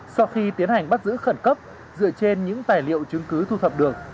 sau khi tiến hành bắt giữ khẩn cấp dựa trên những tài liệu chứng cứ thu thập được